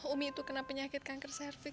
umi itu kena penyakit kanker cervix